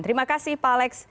terima kasih pak alex